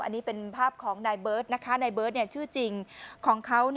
อันนี้เป็นภาพของนายเบิร์ตนะคะนายเบิร์ตชื่อจริงของเขา